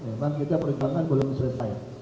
memang kita perjuangan belum selesai